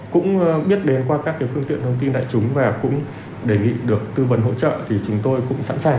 cũng biết đến qua các phương tiện thông tin đại chúng và cũng đề nghị được tư vấn hỗ trợ thì chúng tôi cũng sẵn sàng